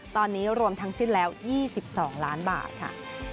ตอนนี้รวมทั้งสิ้นแล้ว๒๒ล้านบาทค่ะ